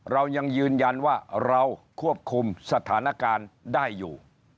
เรายังยืนยันว่าเราควบคุมสถานการณ์ได้อยู่